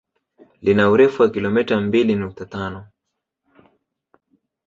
Lina urefu wa kilomita mbili nukta tano